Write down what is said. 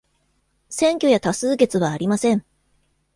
選挙や多数決はありません。